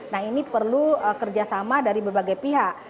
nah ini perlu kerjasama dari berbagai pihak